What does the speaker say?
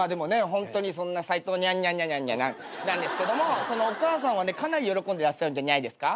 ホントにそんなサイトウニャンニャンニャニャンニャニャンなんですけどお母さんはかなり喜んでらっしゃるんじゃニャいですか。